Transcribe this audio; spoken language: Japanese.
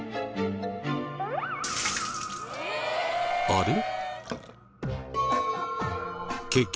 あれ？